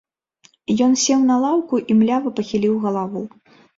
Ён сеў на лаўку і млява пахіліў галаву.